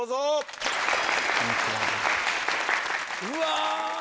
うわ。